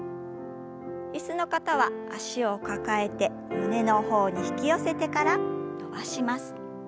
椅子の方は脚を抱えて胸の方に引き寄せてから伸ばします。